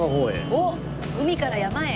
おっ海から山へ！